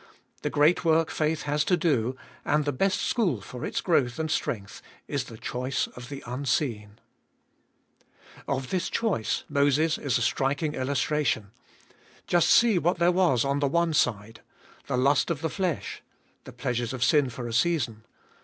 The great work faith has to do, and the best school for its growth and strength, is the choice of the unseen. 458 TTbe l>oltest of Of this choice Moses is a striking illustration. Just see what there was on the one side. The lust of the flesh : the pleasures of sin for a season.